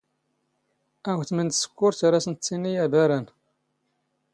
ⴰⵡⵜⵎ ⵏ ⵜⵙⴽⴽⵓⵔⵜ ⴰⵔ ⴰⵙ ⵏⵜⵜⵉⵏⵉ ⴰⴱⴰⵔⴰⵏ.